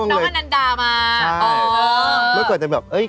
ใช่เมื่อก่อนจะแบบ